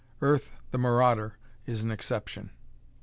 "Earth, the Marauder," an exception.